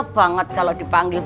banget kalau dipanggil